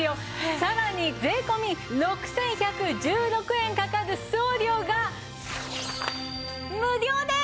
さらに税込６１１６円かかる送料が無料です！